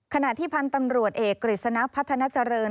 ขณะที่พันธุ์ตำรวจเอกกฤษณะพัฒนาเจริญ